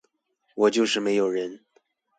我就是沒有人